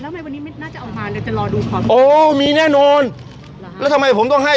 ก็วันนี้ไม่น่าจะเอามาว่านั่นจะรอดูของโอมีแน่นอนแล้วทำไมผมต้องให้